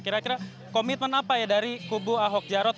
kira kira komitmen apa ya dari kubu ahok jarot